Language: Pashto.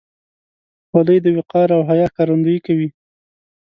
خولۍ د وقار او حیا ښکارندویي کوي.